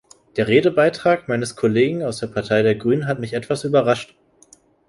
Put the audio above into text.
Der Redebeitrag meines Kollegen aus der Partei der Grünen hat mich etwas überrascht.